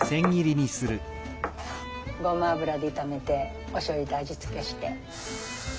ごま油で炒めておしょうゆで味付けして。